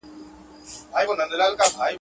زه دي لکه سیوری درسره یمه پل نه لرم.